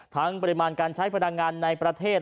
ปริมาณการใช้พลังงานในประเทศ